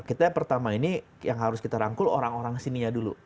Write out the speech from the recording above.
kita pertama ini yang harus kita rangkul orang orang sininya dulu